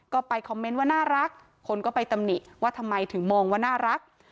ก็ไปคอมเมนต์ว่าน่ารักคนก็ไปตำหนิว่าทำไมถึงมองว่าน่ารัก